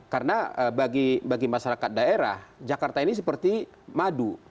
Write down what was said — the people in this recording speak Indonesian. karena bagi masyarakat daerah jakarta ini seperti madu